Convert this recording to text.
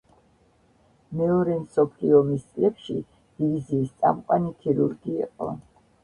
მეორე მსოფლიო ომის წლებში დივიზიის წამყვანი ქირურგი იყო.